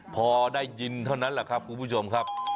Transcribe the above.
พอได้ยินเท่านั้นแหละครับคุณผู้ชมครับ